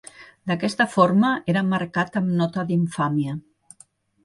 D'aquesta forma, era marcat amb nota d'Infàmia.